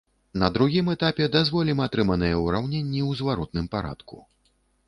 На другім этапе дазволім атрыманыя ўраўненні ў зваротным парадку.